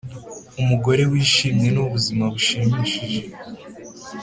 umugore wishimye ni ubuzima bushimishije.